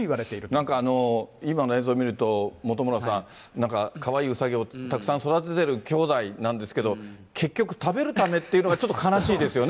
なんか今の映像を見ると、本村さん、なんか、かわいいうさぎをたくさん育てている兄弟なんですけど、結局、食べるためっていうのがちょっと悲しいですよね。